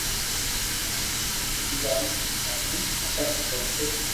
جائين مينکون ني تيگ ڪرتي